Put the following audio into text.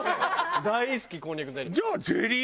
大好きこんにゃくゼリー。